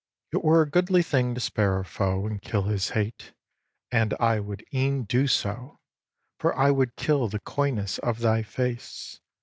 iv. It were a goodly thing to spare a foe And kill his hate. And I would e'en do so! For I would kill the coyness of thy face.